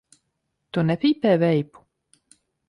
Tu nepīpē veipu?